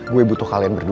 gue butuh kalian berdua